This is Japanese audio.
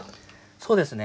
そうですね。